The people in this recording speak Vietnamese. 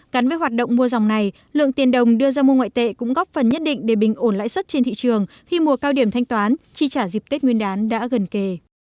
cắn với hoạt động mua dòng này lượng tiền đồng đưa ra mua ngoại tệ cũng góp phần nhất định để bình ổn lãi suất trên thị trường khi mùa cao điểm thanh toán chi trả dịp tết nguyên đán đã gần kề